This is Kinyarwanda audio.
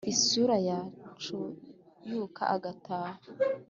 isura yacuyuka agataha.